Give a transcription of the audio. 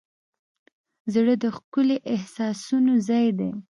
زړه د ښکلي احساسونو ځای دی.